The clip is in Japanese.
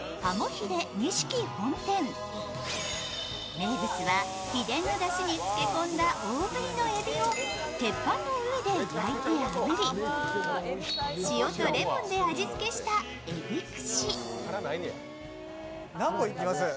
名物は秘伝のだしに漬け込んだ大ぶりのえびを鉄板の上で焼いてあぶり、塩とレモンで味付けしたえび串。